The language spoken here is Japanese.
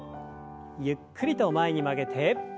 ゆっくりと前に曲げて。